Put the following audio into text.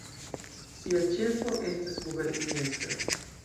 Sia ĉefo estas guberniestro.